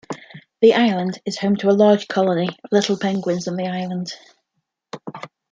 The island is home to a large colony of little penguins on the island.